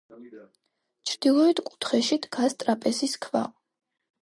ჩრდილოეთ კუთხეში დგას ტრაპეზის ქვა.